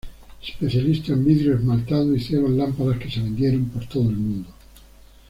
Especialistas en vidrio esmaltado hicieron lámparas que se vendieron por todo el mundo.